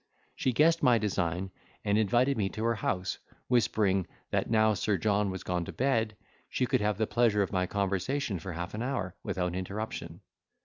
She guessed my design, and invited me to her house, whispering, that now Sir John was gone to bed, she could have the pleasure of my conversation for half an hour without interruption.